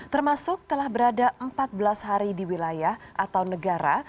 termasuk telah berada empat belas hari di wilayah atau negara